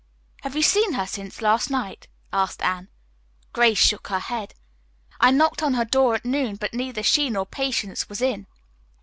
"Have you seen her since last night?" asked Anne. Grace shook her head. "I knocked on her door at noon, but neither she nor Patience was in.